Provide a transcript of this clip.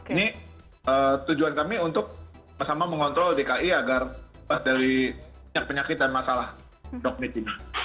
ini tujuan kami untuk bersama mengontrol dki agar lepas dari penyakit penyakit dan masalah dokter ini